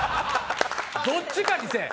どっちかにせえ。